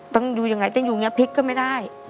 ต้องอยู่ยังไงต้องอยู่อย่างนี้พลิกก็ไม่ได้